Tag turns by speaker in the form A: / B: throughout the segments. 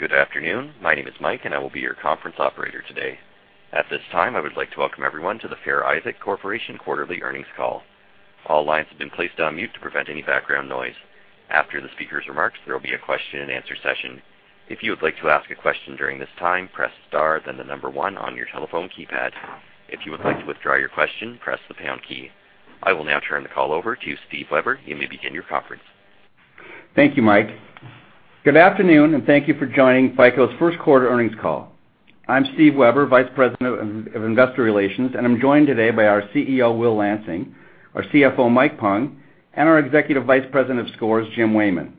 A: Good afternoon. My name is Mike, and I will be your conference operator today. At this time, I would like to welcome everyone to the Fair Isaac Corporation quarterly earnings call. All lines have been placed on mute to prevent any background noise. After the speaker's remarks, there will be a question and answer session. If you would like to ask a question during this time, press star, then the number 1 on your telephone keypad. If you would like to withdraw your question, press the pound key. I will now turn the call over to Steve Weber. You may begin your conference.
B: Thank you, Mike. Good afternoon, and thank you for joining FICO's first quarter earnings call. I'm Steve Weber, Vice President of Investor Relations, and I'm joined today by our CEO, Will Lansing, our CFO, Michael Pung, and our Executive Vice President of Scores, James Wehmann.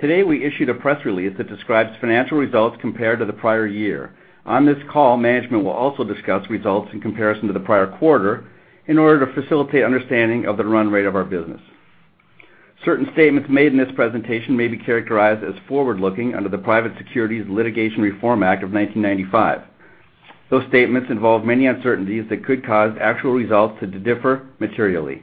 B: Today, we issued a press release that describes financial results compared to the prior year. On this call, management will also discuss results in comparison to the prior quarter in order to facilitate understanding of the run rate of our business. Certain statements made in this presentation may be characterized as forward-looking under the Private Securities Litigation Reform Act of 1995. Those statements involve many uncertainties that could cause actual results to differ materially.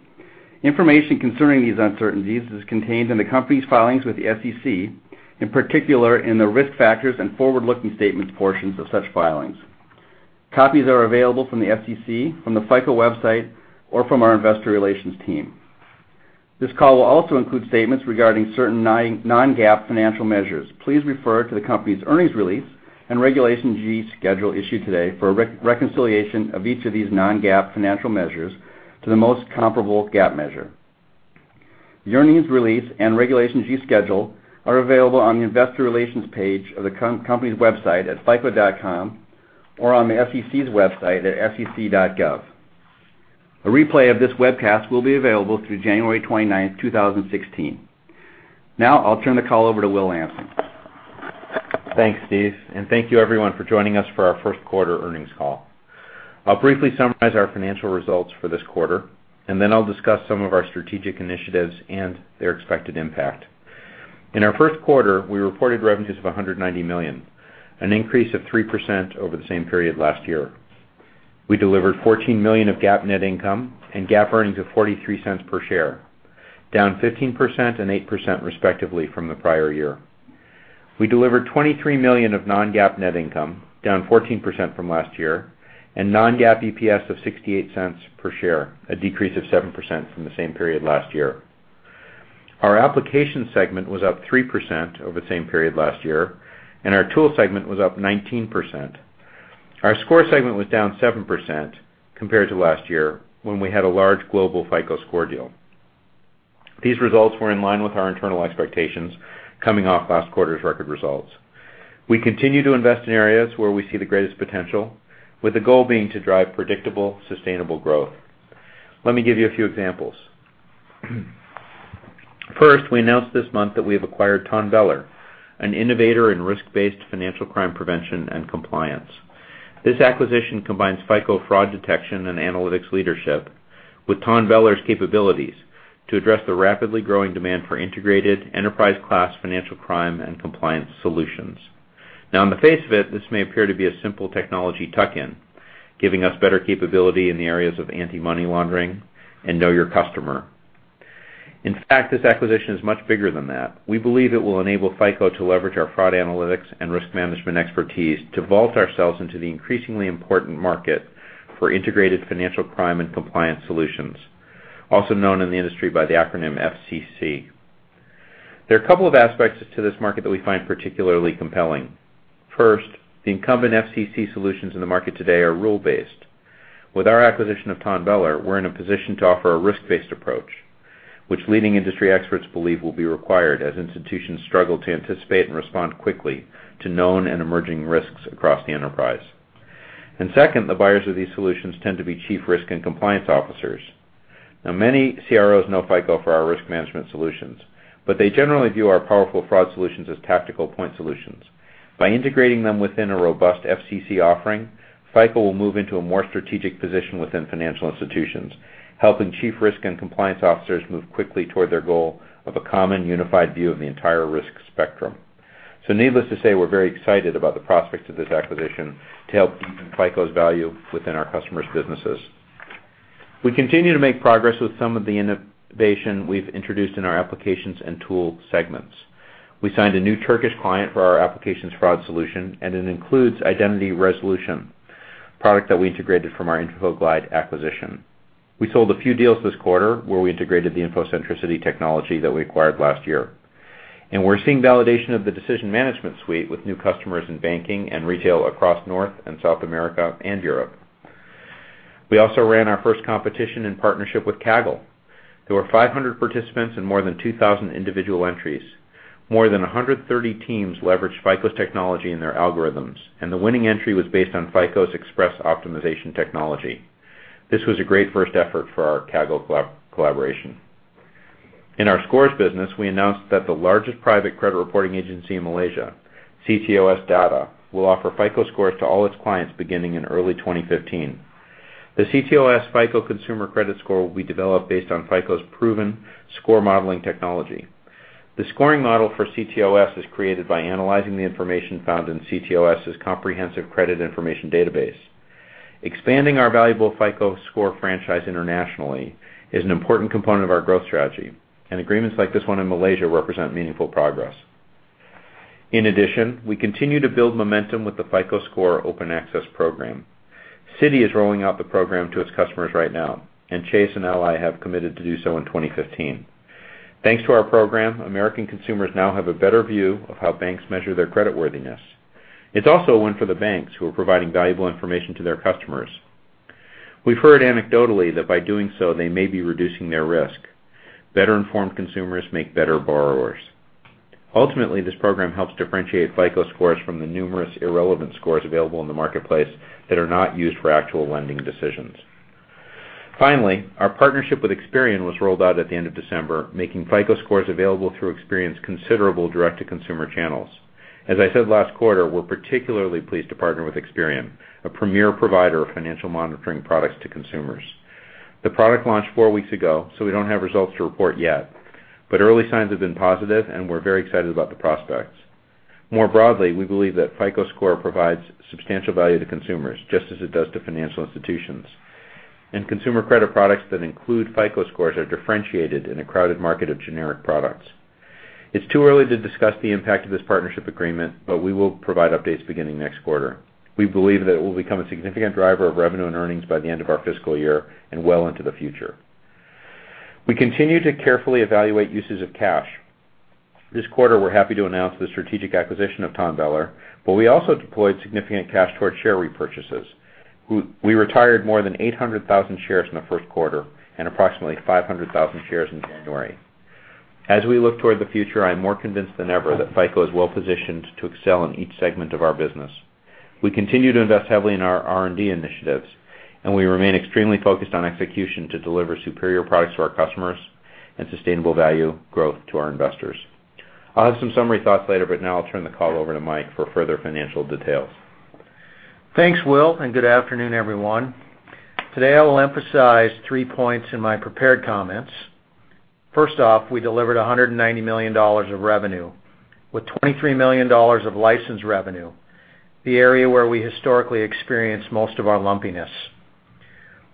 B: Information concerning these uncertainties is contained in the company's filings with the SEC, in particular in the Risk Factors and Forward-Looking Statements portions of such filings. Copies are available from the SEC, from the FICO website, or from our Investor Relations team. This call will also include statements regarding certain non-GAAP financial measures. Please refer to the company's earnings release and Regulation G schedule issued today for a reconciliation of each of these non-GAAP financial measures to the most comparable GAAP measure. The earnings release and Regulation G schedule are available on the Investor Relations page of the company's website at fico.com or on the SEC's website at sec.gov. A replay of this webcast will be available through January 29th, 2016. Now, I'll turn the call over to Will Lansing.
C: Thanks, Steve. Thank you everyone for joining us for our first quarter earnings call. I'll briefly summarize our financial results for this quarter, and then I'll discuss some of our strategic initiatives and their expected impact. In our first quarter, we reported revenues of $190 million, an increase of 3% over the same period last year. We delivered $14 million of GAAP net income and GAAP earnings of $0.43 per share, down 15% and 8% respectively from the prior year. We delivered $23 million of non-GAAP net income, down 14% from last year, and non-GAAP EPS of $0.68 per share, a decrease of 7% from the same period last year. Our application segment was up 3% over the same period last year, and our tool segment was up 19%. Our Scores segment was down 7% compared to last year when we had a large global FICO Score deal. These results were in line with our internal expectations coming off last quarter's record results. We continue to invest in areas where we see the greatest potential, with the goal being to drive predictable, sustainable growth. Let me give you a few examples. First, we announced this month that we have acquired TONBELLER, an innovator in risk-based financial crime prevention and compliance. This acquisition combines FICO fraud detection and analytics leadership with TONBELLER's capabilities to address the rapidly growing demand for integrated enterprise-class financial crime and compliance solutions. On the face of it, this may appear to be a simple technology tuck-in, giving us better capability in the areas of anti-money laundering and know your customer. This acquisition is much bigger than that. We believe it will enable FICO to leverage our fraud analytics and risk management expertise to vault ourselves into the increasingly important market for integrated financial crime and compliance solutions, also known in the industry by the acronym FCC. There are a couple of aspects to this market that we find particularly compelling. First, the incumbent FCC solutions in the market today are rule-based. With our acquisition of TONBELLER, we're in a position to offer a risk-based approach, which leading industry experts believe will be required as institutions struggle to anticipate and respond quickly to known and emerging risks across the enterprise. Second, the buyers of these solutions tend to be chief risk and compliance officers. Many CROs know FICO for our risk management solutions, but they generally view our powerful fraud solutions as tactical point solutions. By integrating them within a robust FCC offering, FICO will move into a more strategic position within financial institutions, helping chief risk and compliance officers move quickly toward their goal of a common unified view of the entire risk spectrum. Needless to say, we're very excited about the prospects of this acquisition to help deepen FICO's value within our customers' businesses. We continue to make progress with some of the innovation we've introduced in our applications and tools segments. We signed a new Turkish client for our applications fraud solution, and it includes identity resolution, product that we integrated from our InfoGlide acquisition. We sold a few deals this quarter where we integrated the InfoCentricity technology that we acquired last year. We're seeing validation of the Decision Management Suite with new customers in banking and retail across North and South America and Europe. We also ran our first competition in partnership with Kaggle. There were 500 participants and more than 2,000 individual entries. More than 130 teams leveraged FICO's technology in their algorithms. The winning entry was based on FICO's Xpress optimization technology. This was a great first effort for our Kaggle collaboration. In our Scores business, we announced that the largest private credit reporting agency in Malaysia, CTOS Data, will offer FICO Scores to all its clients beginning in early 2015. The CTOS FICO consumer credit score will be developed based on FICO's proven score modeling technology. The scoring model for CTOS is created by analyzing the information found in CTOS's comprehensive credit information database. Expanding our valuable FICO Score franchise internationally is an important component of our growth strategy. Agreements like this one in Malaysia represent meaningful progress. In addition, we continue to build momentum with the FICO Score Open Access program. Citi is rolling out the program to its customers right now. Chase and Ally have committed to do so in 2015. Thanks to our program, American consumers now have a better view of how banks measure their creditworthiness. It's also a win for the banks who are providing valuable information to their customers. We've heard anecdotally that by doing so, they may be reducing their risk. Better-informed consumers make better borrowers. Ultimately, this program helps differentiate FICO Scores from the numerous irrelevant scores available in the marketplace that are not used for actual lending decisions. Finally, our partnership with Experian was rolled out at the end of December, making FICO Scores available through Experian's considerable direct-to-consumer channels. As I said last quarter, we're particularly pleased to partner with Experian, a premier provider of financial monitoring products to consumers. The product launched four weeks ago, so we don't have results to report yet, but early signs have been positive, and we're very excited about the prospects. More broadly, we believe that FICO Score provides substantial value to consumers, just as it does to financial institutions. Consumer credit products that include FICO Scores are differentiated in a crowded market of generic products. It's too early to discuss the impact of this partnership agreement, but we will provide updates beginning next quarter. We believe that it will become a significant driver of revenue and earnings by the end of our fiscal year and well into the future. We continue to carefully evaluate uses of cash. This quarter, we're happy to announce the strategic acquisition of TONBELLER. We also deployed significant cash toward share repurchases. We retired more than 800,000 shares in the first quarter and approximately 500,000 shares in January. As we look toward the future, I am more convinced than ever that FICO is well-positioned to excel in each segment of our business. We continue to invest heavily in our R&D initiatives. We remain extremely focused on execution to deliver superior products to our customers and sustainable value growth to our investors. I'll have some summary thoughts later, but now I'll turn the call over to Mike for further financial details.
D: Thanks, Will, and good afternoon, everyone. Today, I will emphasize three points in my prepared comments. First off, we delivered $190 million of revenue, with $23 million of license revenue, the area where we historically experience most of our lumpiness.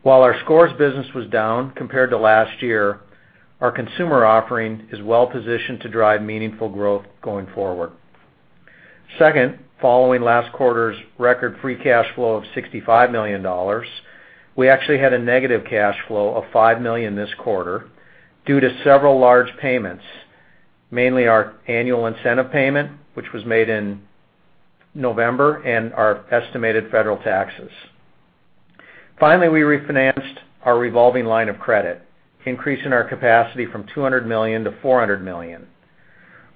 D: While our Scores business was down compared to last year, our consumer offering is well-positioned to drive meaningful growth going forward. Second, following last quarter's record free cash flow of $65 million, we actually had a negative cash flow of $5 million this quarter due to several large payments, mainly our annual incentive payment, which was made in November, and our estimated federal taxes. Finally, we refinanced our revolving line of credit, increasing our capacity from $200 million to $400 million.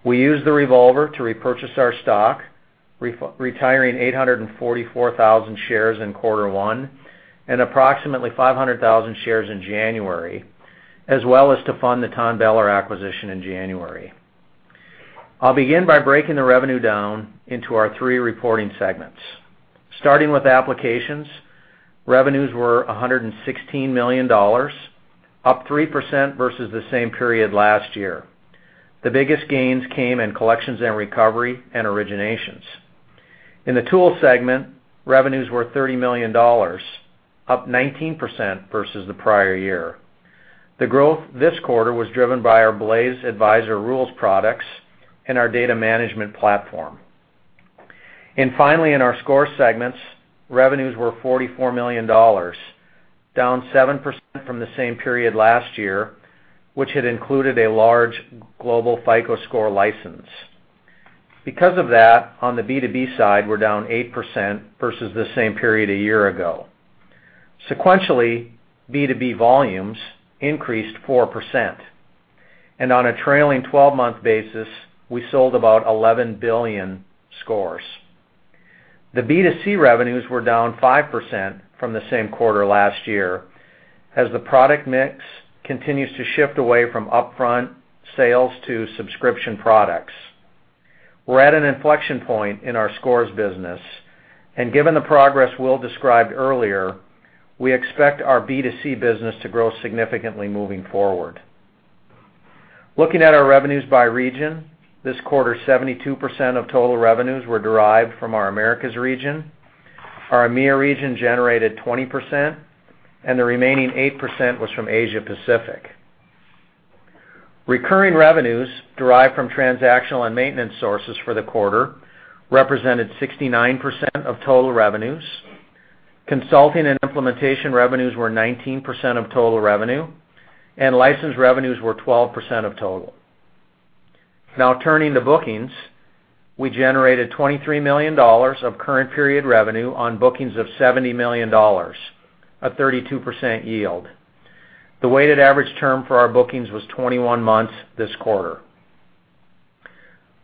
D: We used the revolver to repurchase our stock, retiring 844,000 shares in quarter one and approximately 500,000 shares in January, as well as to fund the TONBELLER acquisition in January. I'll begin by breaking the revenue down into our three reporting segments. Starting with applications, revenues were $116 million, up 3% versus the same period last year. The biggest gains came in collections and recovery and originations. In the tools segment, revenues were $30 million, up 19% versus the prior year. The growth this quarter was driven by our Blaze Advisor rules products and our Decision Management Platform. Finally, in our Scores segments, revenues were $44 million, down 7% from the same period last year, which had included a large global FICO Score license. Because of that, on the B2B side we're down 8% versus the same period a year ago. Sequentially, B2B volumes increased 4%. On a trailing 12-month basis, we sold about 11 billion Scores. The B2C revenues were down 5% from the same quarter last year as the product mix continues to shift away from upfront sales to subscription products. We're at an inflection point in our Scores business. Given the progress Will described earlier, we expect our B2C business to grow significantly moving forward. Looking at our revenues by region, this quarter, 72% of total revenues were derived from our Americas region. Our EMEA region generated 20%, and the remaining 8% was from Asia Pacific. Recurring revenues derived from transactional and maintenance sources for the quarter represented 69% of total revenues. Consulting and implementation revenues were 19% of total revenue. License revenues were 12% of total. Turning to bookings, we generated $23 million of current period revenue on bookings of $70 million, a 32% yield. The weighted average term for our bookings was 21 months this quarter.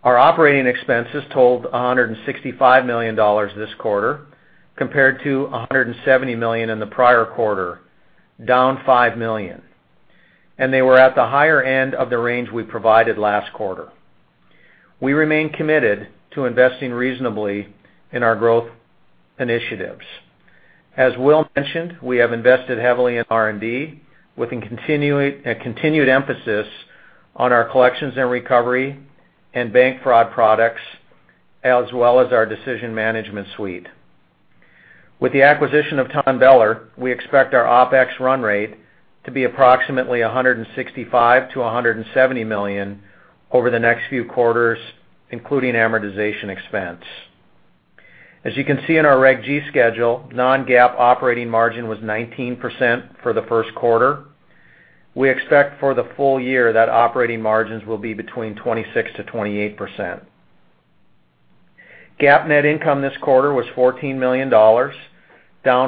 D: Our operating expenses totaled $165 million this quarter compared to $170 million in the prior quarter, down $5 million. They were at the higher end of the range we provided last quarter. We remain committed to investing reasonably in our growth initiatives. As Will mentioned, we have invested heavily in R&D with a continued emphasis on our collections and recovery and bank fraud products as well as our Decision Management Suite. With the acquisition of TONBELLER, we expect our OpEx run rate to be approximately $165 million-$170 million over the next few quarters, including amortization expense. As you can see in our Reg G schedule, non-GAAP operating margin was 19% for the first quarter. We expect for the full year that operating margins will be between 26%-28%. GAAP net income this quarter was $14 million, down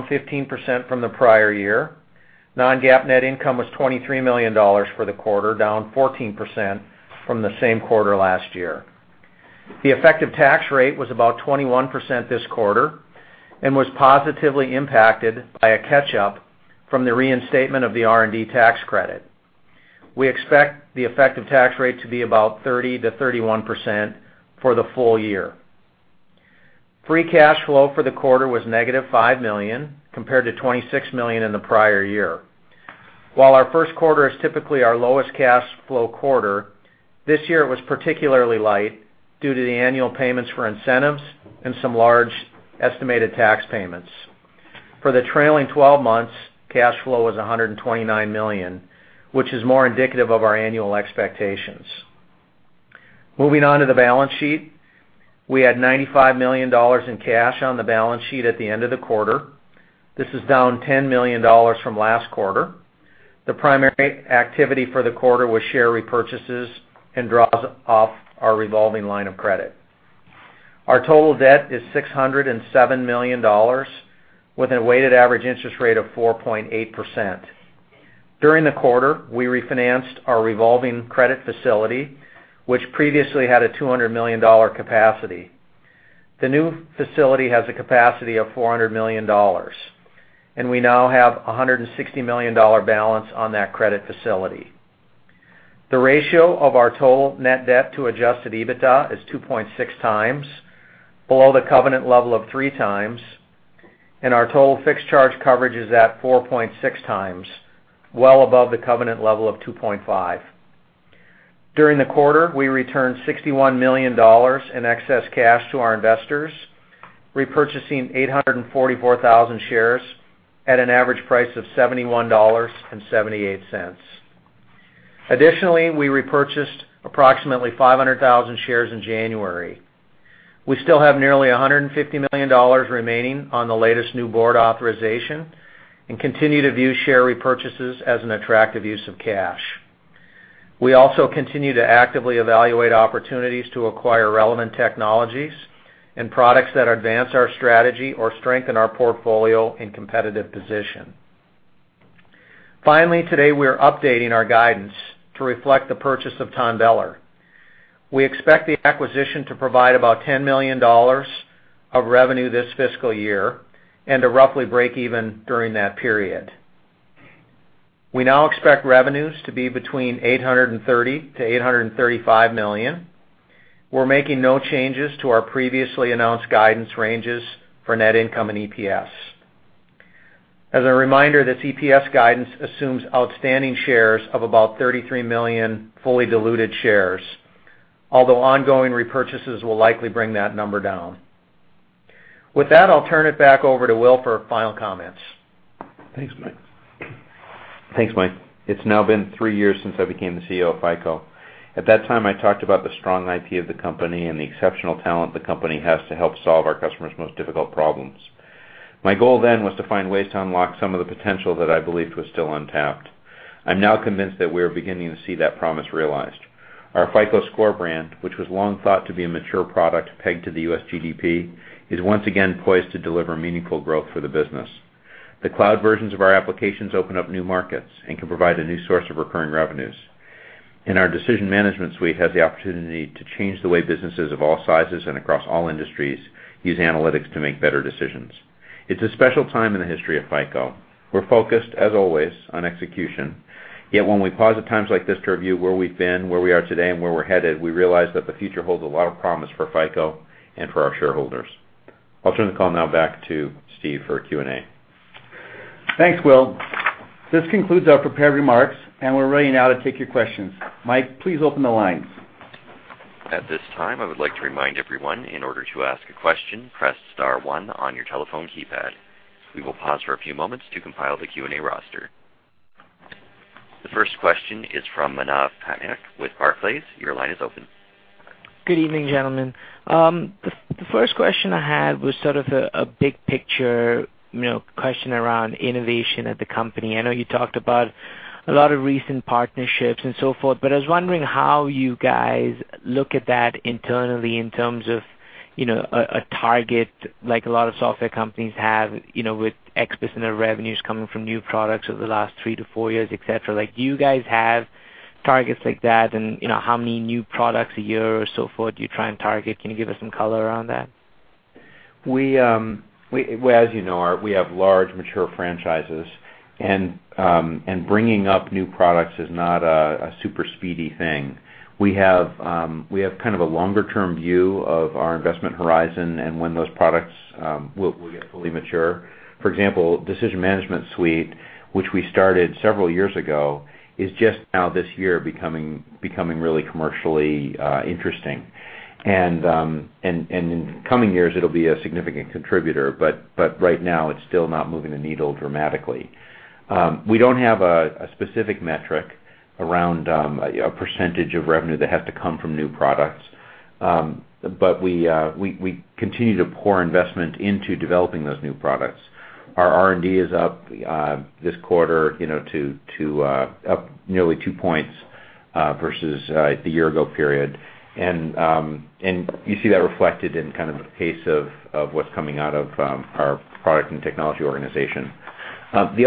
D: 15% from the prior year. Non-GAAP net income was $23 million for the quarter, down 14% from the same quarter last year. The effective tax rate was about 21% this quarter and was positively impacted by a catch-up from the reinstatement of the R&D tax credit. We expect the effective tax rate to be about 30%-31% for the full year. Free cash flow for the quarter was negative $5 million, compared to $26 million in the prior year. While our first quarter is typically our lowest cash flow quarter, this year it was particularly light due to the annual payments for incentives and some large estimated tax payments. For the trailing 12 months, cash flow was $129 million, which is more indicative of our annual expectations. Moving on to the balance sheet. We had $95 million in cash on the balance sheet at the end of the quarter. This is down $10 million from last quarter. The primary activity for the quarter was share repurchases and draws off our revolving line of credit. Our total debt is $607 million, with a weighted average interest rate of 4.8%. During the quarter, we refinanced our revolving credit facility, which previously had a $200 million capacity. The new facility has a capacity of $400 million, and we now have $160 million balance on that credit facility. The ratio of our total net debt to adjusted EBITDA is 2.6 times, below the covenant level of three times, and our total fixed charge coverage is at 4.6 times, well above the covenant level of 2.5. During the quarter, we returned $61 million in excess cash to our investors, repurchasing 844,000 shares at an average price of $71.78. Additionally, we repurchased approximately 500,000 shares in January. We still have nearly $150 million remaining on the latest new board authorization and continue to view share repurchases as an attractive use of cash. We also continue to actively evaluate opportunities to acquire relevant technologies and products that advance our strategy or strengthen our portfolio and competitive position. Finally, today, we are updating our guidance to reflect the purchase of TONBELLER. We expect the acquisition to provide about $10 million of revenue this fiscal year and to roughly break even during that period. We now expect revenues to be between $830 million to $835 million. We're making no changes to our previously announced guidance ranges for net income and EPS. As a reminder, this EPS guidance assumes outstanding shares of about 33 million fully diluted shares, although ongoing repurchases will likely bring that number down. With that, I'll turn it back over to Will for final comments.
C: Thanks, Mike. It's now been three years since I became the CEO of FICO. At that time, I talked about the strong IP of the company and the exceptional talent the company has to help solve our customers' most difficult problems. My goal then was to find ways to unlock some of the potential that I believed was still untapped. I'm now convinced that we are beginning to see that promise realized. Our FICO Score brand, which was long thought to be a mature product pegged to the U.S. GDP, is once again poised to deliver meaningful growth for the business. The cloud versions of our applications open up new markets and can provide a new source of recurring revenues. Our Decision Management Suite has the opportunity to change the way businesses of all sizes and across all industries use analytics to make better decisions. It's a special time in the history of FICO. We're focused, as always, on execution. Yet when we pause at times like this to review where we've been, where we are today, and where we're headed, we realize that the future holds a lot of promise for FICO and for our shareholders. I'll turn the call now back to Steve for Q&A.
B: Thanks, Will. This concludes our prepared remarks, and we're ready now to take your questions. Mike, please open the lines.
A: At this time, I would like to remind everyone, in order to ask a question, press star one on your telephone keypad. We will pause for a few moments to compile the Q&A roster. The first question is from Manav Patnaik with Barclays. Your line is open.
E: Good evening, gentlemen. The first question I had was sort of a big-picture question around innovation at the company. I know you talked about a lot of recent partnerships and so forth, but I was wondering how you guys look at that internally in terms of a target like a lot of software companies have with X% of revenues coming from new products over the last 3-4 years, et cetera. Do you guys have targets like that, and how many new products a year or so forth do you try and target? Can you give us some color on that?
C: As you know, we have large, mature franchises, and bringing up new products is not a super speedy thing. We have kind of a longer-term view of our investment horizon and when those products will get fully mature. For example, Decision Management Suite, which we started several years ago, is just now this year becoming really commercially interesting. In the coming years, it'll be a significant contributor, but right now, it's still not moving the needle dramatically. We don't have a specific metric around a percentage of revenue that has to come from new products. We continue to pour investment into developing those new products. Our R&D is up this quarter up nearly two points versus the year ago period. You see that reflected in the pace of what's coming out of our product and technology organization. The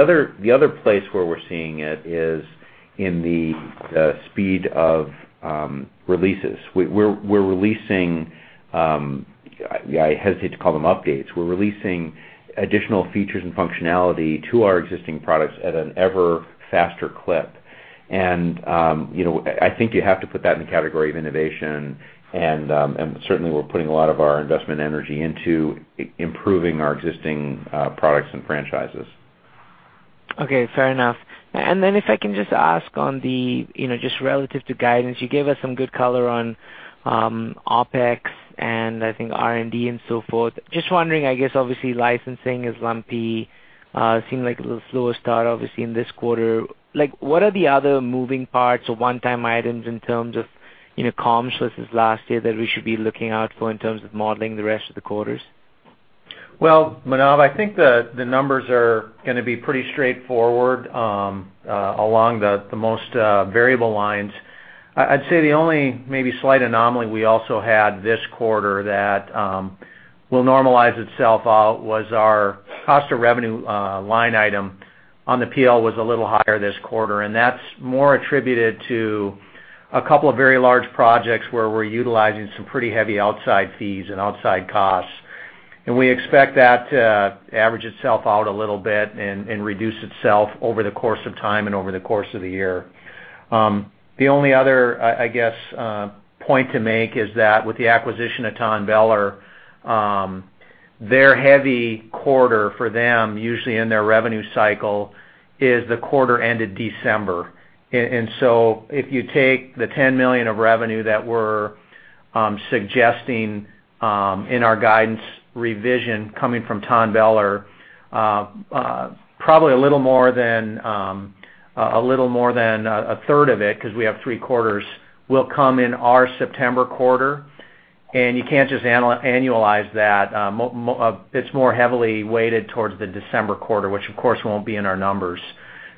C: other place where we're seeing it is in the speed of releases. We're releasing, I hesitate to call them updates. We're releasing additional features and functionality to our existing products at an ever faster clip. I think you have to put that in the category of innovation and certainly we're putting a lot of our investment energy into improving our existing products and franchises.
E: Okay, fair enough. Then if I can just ask on the, just relative to guidance, you gave us some good color on OpEx and I think R&D and so forth. Just wondering, I guess obviously licensing is lumpy, seemed like a little slower start obviously in this quarter. What are the other moving parts or one-time items in terms of comms versus last year that we should be looking out for in terms of modeling the rest of the quarters?
D: Well, Manav, I think the numbers are going to be pretty straightforward along the most variable lines. I'd say the only, maybe slight anomaly we also had this quarter that will normalize itself out was our cost of revenue line item on the PL was a little higher this quarter, and that's more attributed to a couple of very large projects where we're utilizing some pretty heavy outside fees and outside costs. We expect that to average itself out a little bit and reduce itself over the course of time and over the course of the year. The only other, I guess, point to make is that with the acquisition of TONBELLER, their heavy quarter for them, usually in their revenue cycle, is the quarter ended December. if you take the $10 million of revenue that we're suggesting in our guidance revision coming from TONBELLER, probably a little more than a third of it, because we have 3 quarters, will come in our September quarter, and you can't just annualize that. It's more heavily weighted towards the December quarter, which of course won't be in our numbers.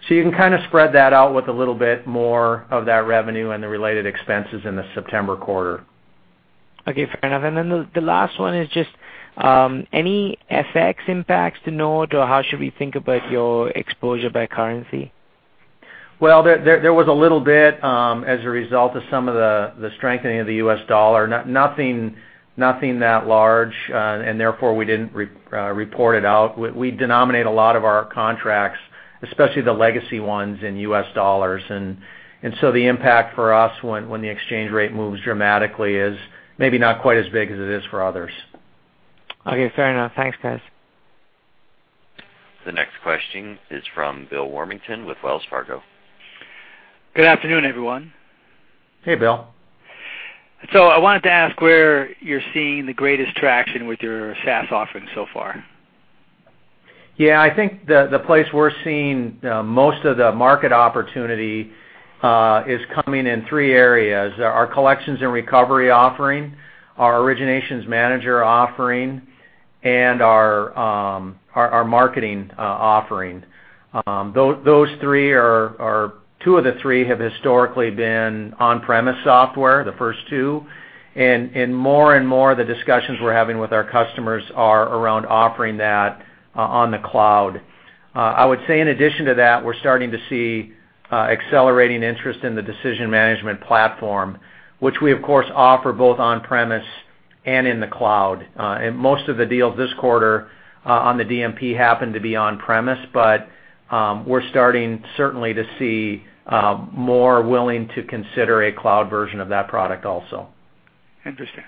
D: You can kind of spread that out with a little bit more of that revenue and the related expenses in the September quarter.
E: Okay, fair enough. The last one is just, any FX impacts to note or how should we think about your exposure by currency?
D: Well, there was a little bit as a result of some of the strengthening of the U.S. dollar. Nothing that large, and therefore we didn't report it out. We denominate a lot of our contracts, especially the legacy ones, in U.S. dollars. The impact for us when the exchange rate moves dramatically is maybe not quite as big as it is for others.
E: Okay, fair enough. Thanks, guys.
A: The next question is from Bill Warmington with Wells Fargo.
F: Good afternoon, everyone.
C: Hey, Bill.
F: I wanted to ask where you're seeing the greatest traction with your SaaS offering so far.
C: I think the place we're seeing most of the market opportunity is coming in three areas. Our collections and recovery offering, our originations manager offering, and our marketing offering. Those three are, or two of the three have historically been on-premise software, the first two. More and more the discussions we're having with our customers are around offering that on the cloud. I would say in addition to that, we're starting to see accelerating interest in the Decision Management Platform, which we of course offer both on-premise and in the cloud. Most of the deals this quarter on the DMP happen to be on-premise, but we're starting certainly to see more willing to consider a cloud version of that product also.
F: Interesting.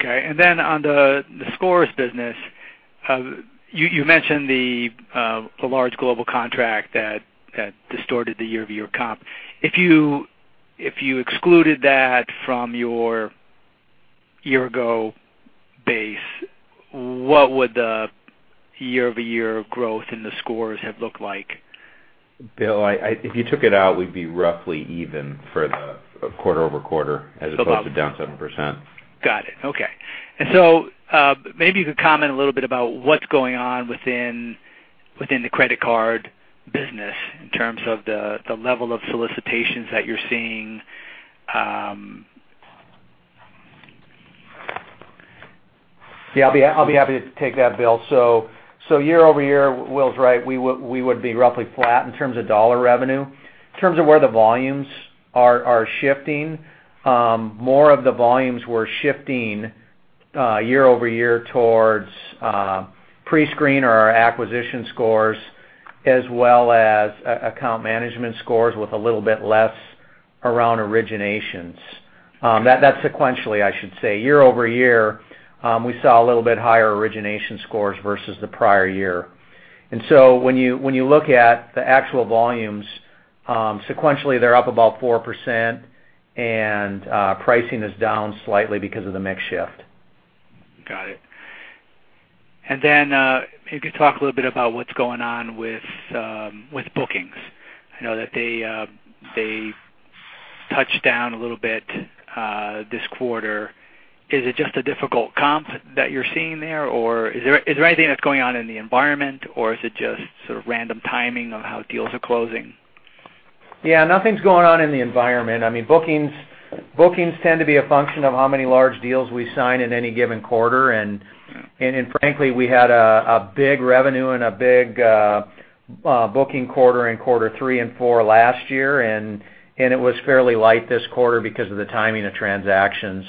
F: On the scores business, you mentioned the large global contract that distorted the year-over-year comp. If you excluded that from your year-ago base, what would the year-over-year growth in the scores have looked like?
C: Bill, if you took it out, we'd be roughly even for the quarter-over-quarter as opposed to down 7%.
F: Got it. Okay. Maybe you could comment a little bit about what's going on within the credit card business in terms of the level of solicitations that you're seeing.
G: I'll be happy to take that, Bill. Year-over-year, Will's right. We would be roughly flat in terms of dollar revenue. In terms of where the volumes are shifting, more of the volumes were shifting year-over-year towards pre-screen or our acquisition scores, as well as account management scores with a little bit less around originations. That's sequentially, I should say. Year-over-year, we saw a little bit higher origination scores versus the prior year. When you look at the actual volumes, sequentially, they're up about 4%, and pricing is down slightly because of the mix shift.
F: Got it. Maybe talk a little bit about what's going on with bookings. I know that they touched down a little bit this quarter. Is it just a difficult comp that you're seeing there, or is there anything that's going on in the environment, or is it just sort of random timing of how deals are closing?
D: Nothing's going on in the environment. Bookings tend to be a function of how many large deals we sign in any given quarter. Frankly, we had a big revenue and a big booking quarter in quarter 3 and 4 last year, and it was fairly light this quarter because of the timing of transactions.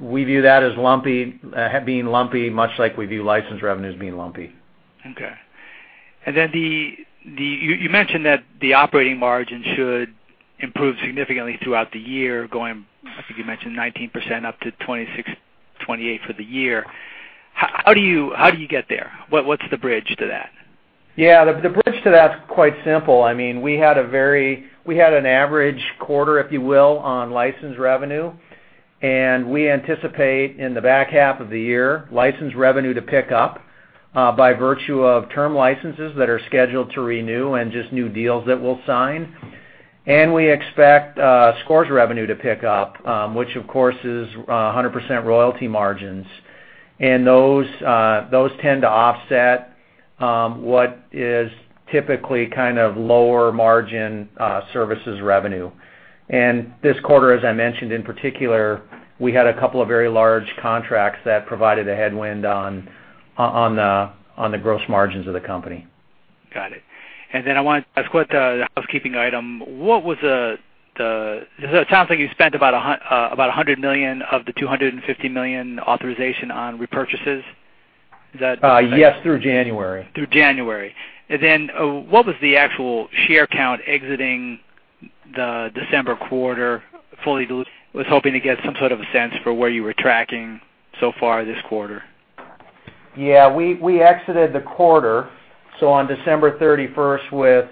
D: We view that as being lumpy, much like we view license revenue as being lumpy.
F: Okay. You mentioned that the operating margin should improve significantly throughout the year, going, I think you mentioned 19% up to 26, 28 for the year. How do you get there? What's the bridge to that?
D: Yeah. The bridge to that's quite simple. We had an average quarter, if you will, on license revenue. We anticipate in the back half of the year, license revenue to pick up by virtue of term licenses that are scheduled to renew and just new deals that we'll sign. We expect Scores revenue to pick up, which of course is 100% royalty margins. Those tend to offset what is typically kind of lower margin services revenue. This quarter, as I mentioned in particular, we had a couple of very large contracts that provided a headwind on the gross margins of the company.
F: Got it. Then I want to ask what the housekeeping item, it sounds like you spent about $100 million of the $250 million authorization on repurchases. Is that-
D: Yes, through January.
F: Through January. Then what was the actual share count exiting the December quarter fully? Was hoping to get some sort of a sense for where you were tracking so far this quarter.
D: Yeah. We exited the quarter, so on December 31st with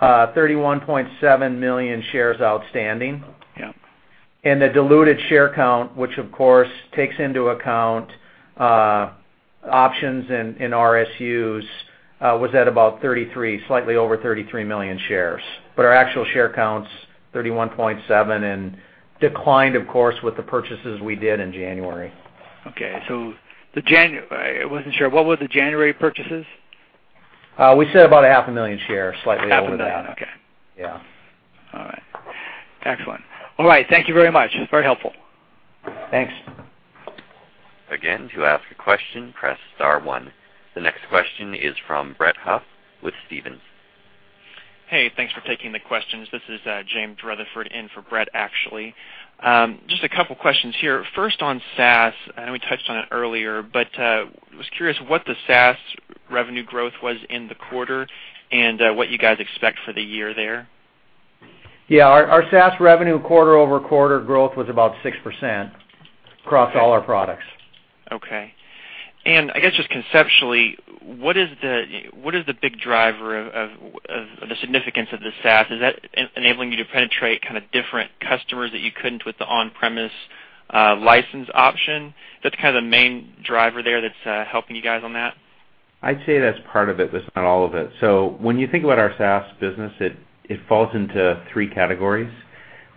D: 31.7 million shares outstanding.
F: Yeah.
D: The diluted share count, which of course takes into account options and RSUs was at about 33, slightly over 33 million shares. Our actual share count's 31.7 and declined, of course, with the purchases we did in January.
F: Okay. I wasn't sure. What were the January purchases?
D: We said about a half a million shares, slightly over that.
F: Half a million. Okay.
D: Yeah.
F: All right. Excellent. All right. Thank you very much. Very helpful.
D: Thanks.
A: Again, to ask a question, press star one. The next question is from Brett Huff with Stephens.
H: Hey, thanks for taking the questions. This is James Rutherford in for Brett, actually. Just a couple questions here. First on SaaS, I know we touched on it earlier. Was curious what the SaaS revenue growth was in the quarter and what you guys expect for the year there.
D: Yeah. Our SaaS revenue quarter-over-quarter growth was about 6% across all our products.
H: I guess just conceptually, what is the big driver of the significance of the SaaS? Is that enabling you to penetrate kind of different customers that you couldn't with the on-premise license option? Is that kind of the main driver there that's helping you guys on that?
C: I'd say that's part of it, but it's not all of it. When you think about our SaaS business, it falls into three categories.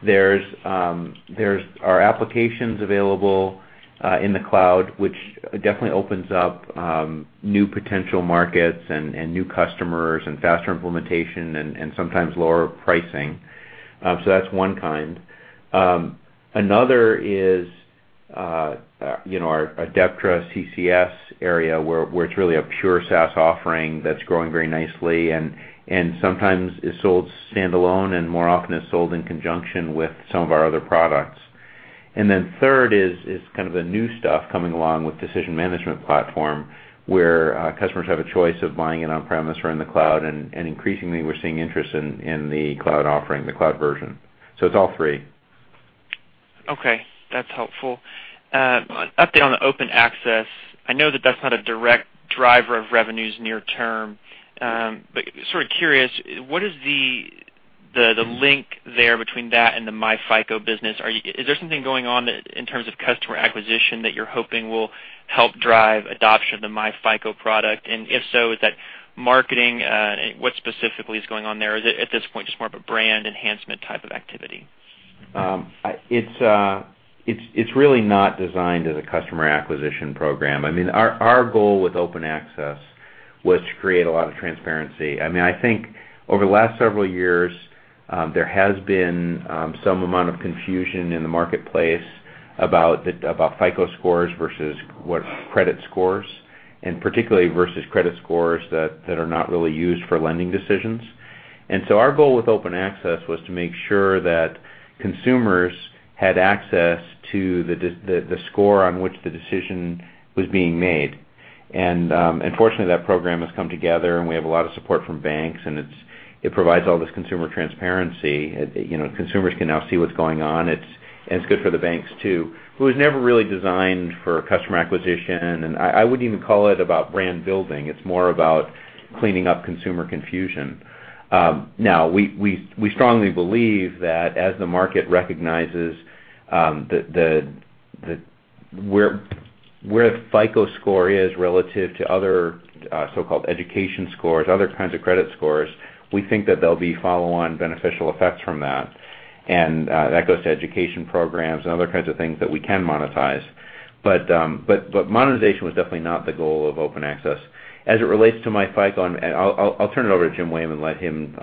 C: There's our applications available in the cloud, which definitely opens up new potential markets and new customers and faster implementation and sometimes lower pricing. That's one kind. Another is our Adeptra CCS area, where it's really a pure SaaS offering that's growing very nicely and sometimes is sold standalone and more often is sold in conjunction with some of our other products. Then third is kind of the new stuff coming along with Decision Management Platform, where customers have a choice of buying it on-premise or in the cloud, increasingly we're seeing interest in the cloud offering, the cloud version. It's all three.
H: Okay. That's helpful. An update on the Open Access. I know that that's not a direct driver of revenues near term. Sort of curious, what is the link there between that and the myFICO business? Is there something going on in terms of customer acquisition that you're hoping will help drive adoption of the myFICO product? If so, is that marketing? What specifically is going on there? Is it at this point, just more of a brand enhancement type of activity?
C: It's really not designed as a customer acquisition program. Our goal with Open Access was to create a lot of transparency. I think over the last several years, there has been some amount of confusion in the marketplace about FICO Scores versus what credit scores, and particularly versus credit scores that are not really used for lending decisions. Our goal with Open Access was to make sure that consumers had access to the score on which the decision was being made. Fortunately, that program has come together, and we have a lot of support from banks. It provides all this consumer transparency. Consumers can now see what's going on. It's good for the banks, too. It was never really designed for customer acquisition. I wouldn't even call it about brand building. It's more about cleaning up consumer confusion. Now, we strongly believe that as the market recognizes that where FICO Score is relative to other so-called education scores, other kinds of credit scores, we think that there'll be follow-on beneficial effects from that. That goes to education programs and other kinds of things that we can monetize. Monetization was definitely not the goal of Open Access. As it relates to myFICO, I'll turn it over to Jim Wehmann and let him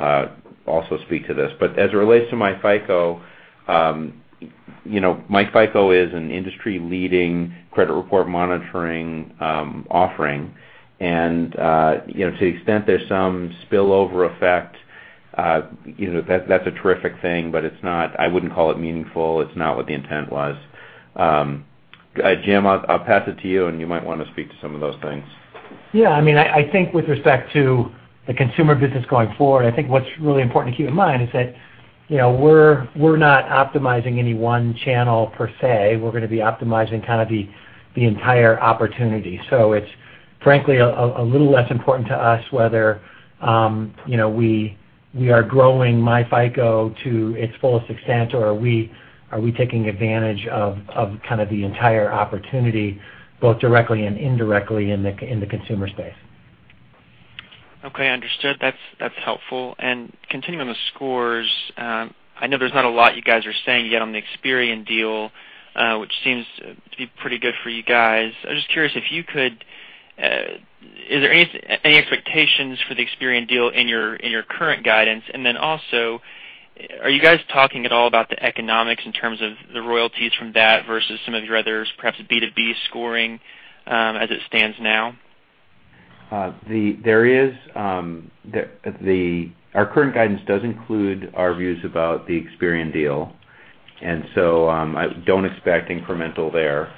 C: also speak to this. As it relates to myFICO is an industry-leading credit report monitoring offering. To the extent there's some spillover effect, that's a terrific thing, but I wouldn't call it meaningful. It's not what the intent was. Jim, I'll pass it to you. You might want to speak to some of those things.
G: Yeah. I think with respect to the consumer business going forward, I think what's really important to keep in mind is that we're not optimizing any one channel per se. We're going to be optimizing kind of the entire opportunity. It's frankly a little less important to us whether we are growing myFICO to its fullest extent or are we taking advantage of kind of the entire opportunity both directly and indirectly in the consumer space.
H: Okay, understood. That's helpful. Continuing on the scores, I know there's not a lot you guys are saying yet on the Experian deal, which seems to be pretty good for you guys. I'm just curious. Is there any expectations for the Experian deal in your current guidance? Also, are you guys talking at all about the economics in terms of the royalties from that versus some of your other perhaps B2B scoring, as it stands now?
C: There is. Our current guidance does include our views about the Experian deal, so I don't expect incremental there.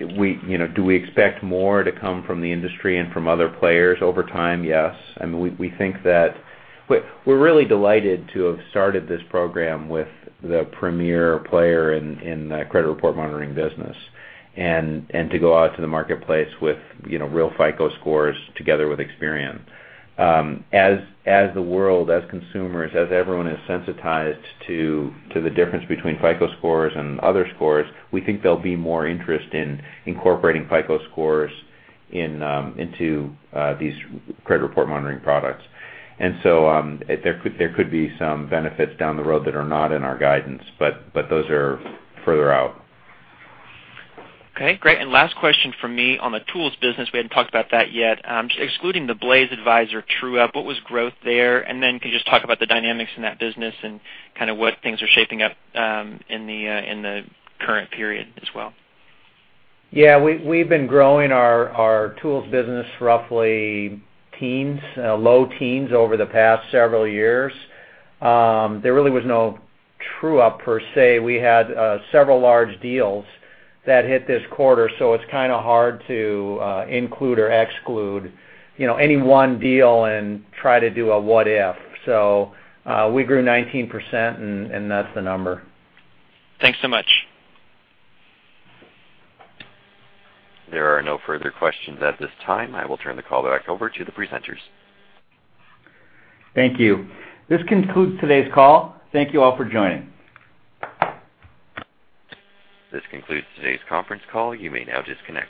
C: Do we expect more to come from the industry and from other players over time? Yes. We're really delighted to have started this program with the premier player in the credit report monitoring business and to go out to the marketplace with real FICO Scores together with Experian. As the world, as consumers, as everyone is sensitized to the difference between FICO Scores and other scores, we think there'll be more interest in incorporating FICO Scores into these credit report monitoring products. So there could be some benefits down the road that are not in our guidance, but those are further out.
H: Okay, great. Last question from me on the tools business. We hadn't talked about that yet. Just excluding the Blaze Advisor true-up, what was growth there? Then can you just talk about the dynamics in that business and kind of what things are shaping up in the current period as well?
D: Yeah. We've been growing our tools business roughly teens, low teens over the past several years. There really was no true-up per se. We had several large deals that hit this quarter, so it's kind of hard to include or exclude any one deal and try to do a what if. We grew 19%, and that's the number.
H: Thanks so much.
A: There are no further questions at this time. I will turn the call back over to the presenters.
C: Thank you. This concludes today's call. Thank you all for joining.
A: This concludes today's conference call. You may now disconnect.